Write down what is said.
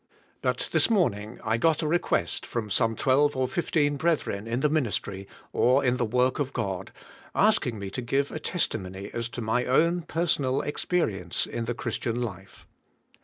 But, this morning, I got a request from some twelve or fifteen brethren in the ministry, or in the work of God, asking me to give a testimony as to my own personal experience in the Christian life.